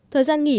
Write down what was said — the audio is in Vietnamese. thời gian nghỉ